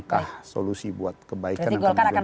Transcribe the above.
dan ini adalah langkah solusi buat kebaikan yang akan diberikan